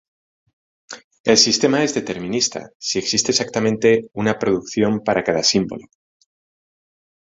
El sistema es determinista si existe exactamente una producción para cada símbolo.